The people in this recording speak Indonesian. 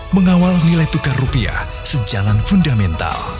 mengawal nilai tukar rupiah sejalan fundamental